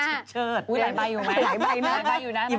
เชิดอุ้ยหลายใบอยู่ไหมหลายใบหลายใบอยู่นะ